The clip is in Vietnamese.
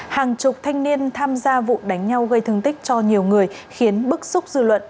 hàng chục thanh niên tham gia vụ đánh nhau gây thương tích cho nhiều người khiến bức xúc dư luận